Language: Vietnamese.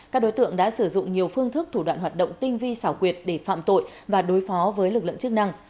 các đối tượng đã sử dụng nhiều phương thức thủ đoạn hoạt động tinh vi xảo quyệt để phạm tội và đối phó với lực lượng chức năng